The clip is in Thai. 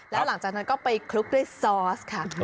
แล้วหลังจากนั้นก็ไปคลุกด้วยซอสค่ะ